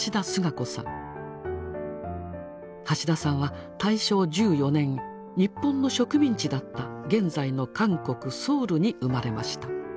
橋田さんは大正１４年日本の植民地だった現在の韓国・ソウルに生まれました。